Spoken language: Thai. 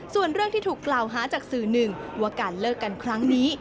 ส่วนเรื่องที่ถูกกล่าวหาจากสื่อหนึ่งว่าการเลิกกันครั้งนี้